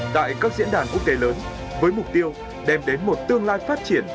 tại các diễn đàn quốc tế lớn với mục tiêu đem đến một tương lai phát triển